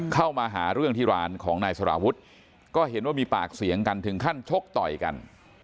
เข้ามาหาเรื่องที่ร้านของนายสารวุฒิก็เห็นว่ามีปากเสียงกันถึงขั้นชกต่อยกัน